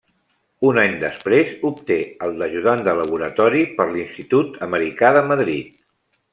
Un any després, obté el d'ajudant de laboratori per l'Institut Americà de Madrid.